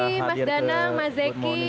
terima kasih mas danang mas zeki